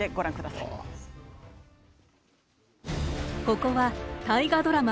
ここは大河ドラマ